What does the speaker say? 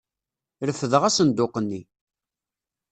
Refdeɣ asenduq-nni.